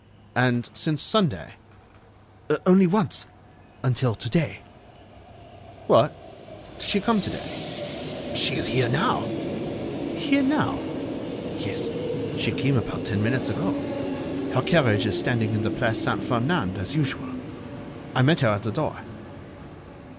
"And since Sunday?" "Only once ... until to day." "What! Did she come to day?" "She is here now." "Here now?" "Yes, she came about ten minutes ago. Her carriage is standing in the Place Saint Ferdinand, as usual. I met her at the door."